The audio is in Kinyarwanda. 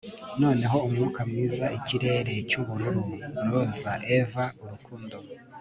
Noneho umwuka mwiza ikirere cyubururu roza Eva urukundo